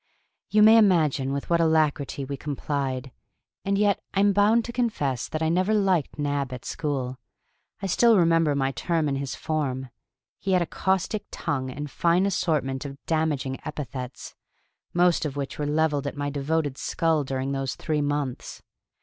You may imagine with what alacrity we complied; and yet I am bound to confess that I had never liked Nab at school. I still remember my term in his form. He had a caustic tongue and fine assortment of damaging epithets, most of which were levelled at my devoted skull during those three months.